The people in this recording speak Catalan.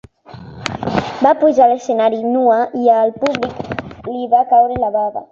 Va pujar a l'escenari nua i al públic li va caure la bava.